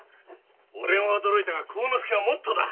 俺も驚いたが晃之助はもっとだ。